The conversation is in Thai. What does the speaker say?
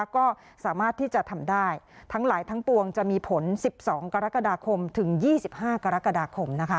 ก็สามารถที่จะทำได้ทั้งหลายทั้งปวงจะมีผล๑๒กรกฎาคมถึง๒๕กรกฎาคม